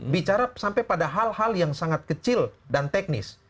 bicara sampai pada hal hal yang sangat kecil dan teknis